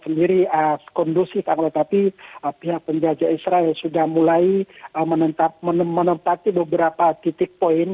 sendiri kondusif tetapi pihak penjajah israel sudah mulai menempati beberapa titik poin